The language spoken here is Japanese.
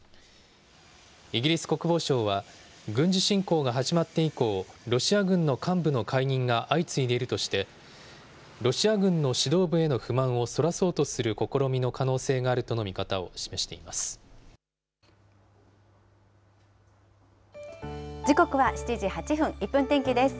イギリス国防省は、軍事侵攻が始まって以降、ロシア軍の幹部の解任が相次いでいるとして、ロシア軍の指導部への不満をそらそうとする試みの可能性があると時刻は７時８分、１分天気です。